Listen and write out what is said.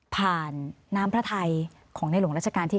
น้ำพระไทยของในหลวงราชการที่๙